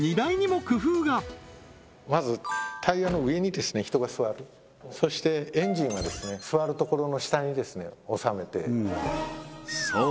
まずタイヤの上に人が座るそしてエンジンは座るところの下に収めてそう